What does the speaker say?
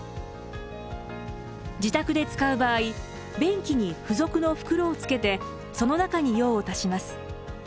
自宅で使う場合便器に付属の袋をつけてその中に用を足します。